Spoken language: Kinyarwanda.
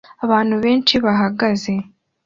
Abantu benshi bahagaze